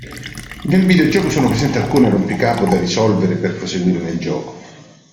Nel videogioco sono presenti alcuni rompicapo da risolvere per proseguire nel gioco.